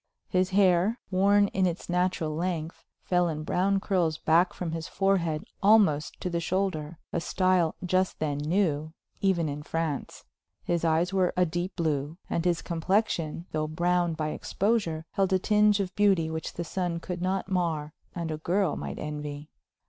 His hair, worn in its natural length, fell in brown curls back from his forehead almost to the shoulder, a style just then new, even in France. His eyes were a deep blue, and his complexion, though browned by exposure, held a tinge of beauty which the sun could not mar and a girl might envy.